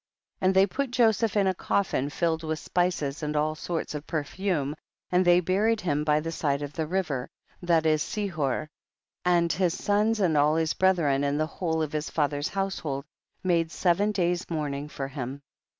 I 27. And they put Joseph in a cof fin filled with spices and all sorts of perfume, and they buried him by the side of the river, that is Sihor, and his sons and all his brethren, and the whole of his father's household made a seven days' mourning for him.